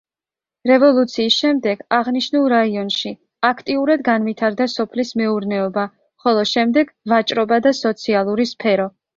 რევოლუციის შემდეგ აღნიშნულ რაიონში აქტიურად განვითარდა სოფლის მეურნეობა, ხოლო შემდეგ ვაჭრობა და სოციალური სფერო.